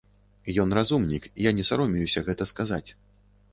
Ён разумнік, я не саромеюся гэта сказаць.